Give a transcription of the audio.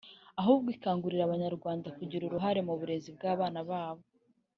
ahubwo ikangurira Abanyarwanda kugira uruhare mu burezi bw’abana babo